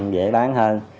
dễ bán hơn